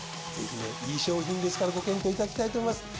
ぜひねいい商品ですからご検討いただきたいと思います。